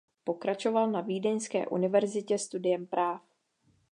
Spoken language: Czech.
Pokračoval na Vídeňské univerzitě studiem práv.